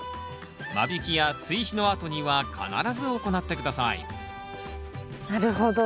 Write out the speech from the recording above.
間引きや追肥のあとには必ず行って下さいなるほど。